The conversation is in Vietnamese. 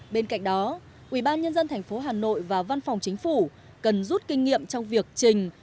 bên cạnh đó ubnd tp hà nội và văn phòng chính phủ cần rút kinh nghiệm trong việc trình